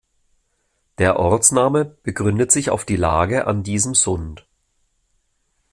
Der Ortsname begründet sich auf die Lage an diesem Sund.